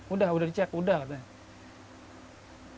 udah udah dicek udah katanya